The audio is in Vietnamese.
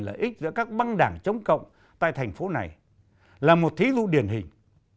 lợi ích giữa các băng đảng chống cộng tại thành phố này là một thí dụ điển hình